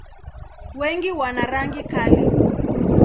Wengi wana rangi kali.